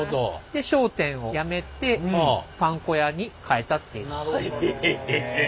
で商店をやめてパン粉屋に変えたっていう。